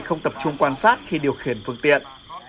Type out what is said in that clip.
không tập trung quan sát khi điều khiển phương tiện